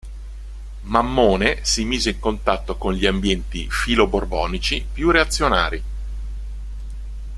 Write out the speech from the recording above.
Mammone si mise in contatto con gli ambienti filo-borbonici più reazionari.